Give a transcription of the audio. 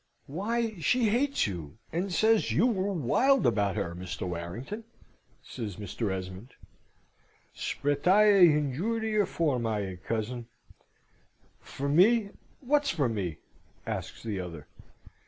"Why, she hates you, and says you were wild about her, Mr. Warrington!" says Mr. Esmond. "Spretae injuria formae, cousin!" "For me what's for me?" asks the other.